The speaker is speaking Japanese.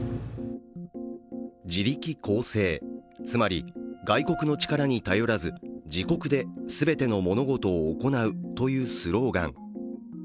自力更生、つまり、外国の力に頼らず自国で全ての物事を行うというスローガン。